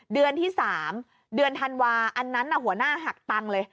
เดือนที่๓เดือนธันวาอันนั้นหัวหน้าหักตังค์เลย